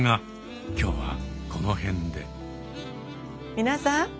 皆さん。